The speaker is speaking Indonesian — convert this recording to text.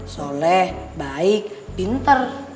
soleh baik pinter